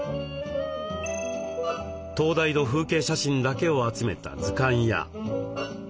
灯台の風景写真だけを集めた図鑑や。